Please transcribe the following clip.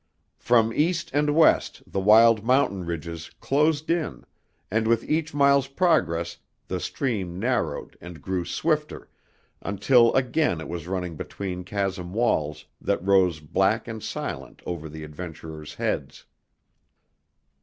From east and west the wild mountain ridges closed in, and with each mile's progress the stream narrowed and grew swifter, until again it was running between chasm walls that rose black and silent over the adventurers' heads.